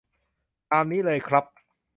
ตามนี้เลยครับ